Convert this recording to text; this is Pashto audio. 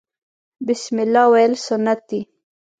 بسم الله ویل سنت دي